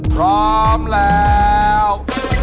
พร้อมแล้ว